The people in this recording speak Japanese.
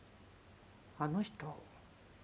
あの人？